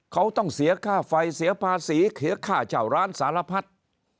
เขาต้องเสียค่าไฟเสียภาษีเสียค่าเช่าร้านสารพัด